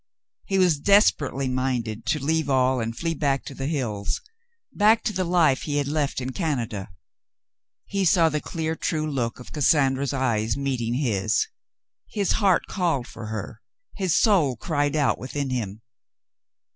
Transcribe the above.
He was desperately minded to leave all and flee back to the hills — back to the life he had left in Canada. He saw the clear, true look of Cassandra's eyes meeting his. His heart called for her; his soul cried out within him.